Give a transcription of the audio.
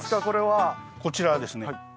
これはこちらはですね